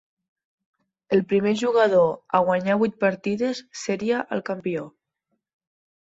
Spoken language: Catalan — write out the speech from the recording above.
El primer jugador a guanyar vuit partides seria el campió.